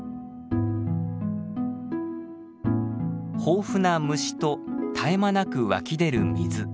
豊富な虫と絶え間なく湧き出る水。